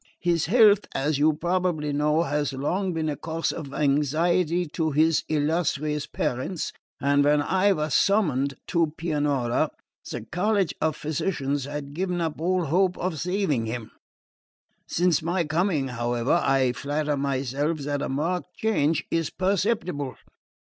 His health, as you probably know, has long been a cause of anxiety to his illustrious parents, and when I was summoned to Pianura the College of Physicians had given up all hope of saving him. Since my coming, however, I flatter myself that a marked change is perceptible.